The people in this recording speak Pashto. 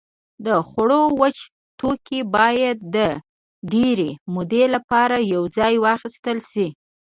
د خوړو وچ توکي باید د ډېرې مودې لپاره یوځای واخیستل شي.